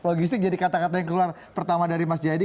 logistik jadi kata kata yang keluar pertama dari mas jayadi